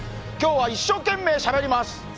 きょうは一生懸命しゃべります。